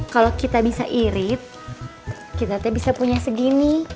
kalau kita bisa irit kita bisa punya segini